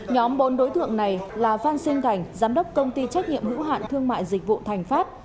nhóm bốn đối tượng này là phan sinh thành giám đốc công ty trách nhiệm hữu hạn thương mại dịch vụ thành pháp